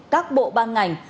các bộ ban ngành